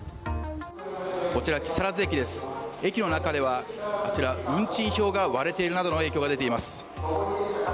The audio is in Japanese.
こちら木更津駅です、駅の中では運賃表が割れているなどの影響が出ています。